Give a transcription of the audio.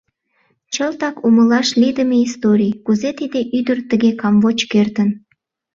«Чылтак умылаш лийдыме историй – кузе тиде ӱдыр тыге камвоч кертын.